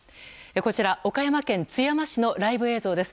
こちら、岡山県津山市のライブ映像です。